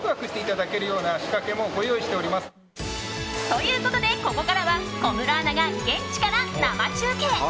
ということで、ここからは小室アナが現地から生中継。